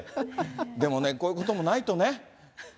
でもね、こういうこともないとね。